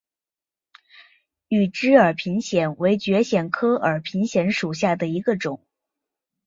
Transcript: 羽枝耳平藓为蕨藓科耳平藓属下的一个种。